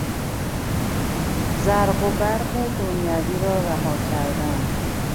زرق و برق دنیوی را رها کردن